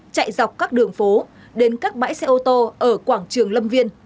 chạy dọc các đường phố đến các bãi xe ô tô ở quảng trường lâm viên